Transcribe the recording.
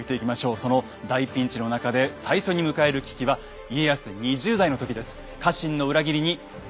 その大ピンチの中で最初に迎える危機は家康２０代の時です。